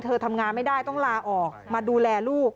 ทำงานไม่ได้ต้องลาออกมาดูแลลูก